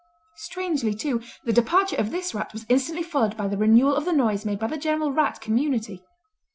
Strangely too, the departure of this rat was instantly followed by the renewal of the noise made by the general rat community.